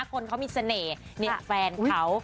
คนเขามีเสน่ห์นี่แฟนเขา